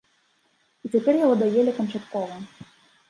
І цяпер яго даелі канчаткова.